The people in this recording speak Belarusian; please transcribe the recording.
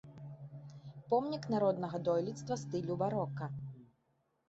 Помнік народнага дойлідства стылю барока.